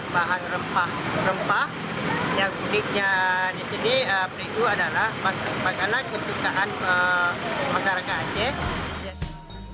lima belas bahan rempah rempah yang uniknya disini peliku adalah makanan kesukaan masyarakat asean